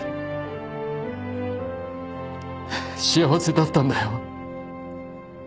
幸せだったんだよ。